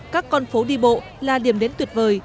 các con phố đi bộ là điểm đến tuyệt vời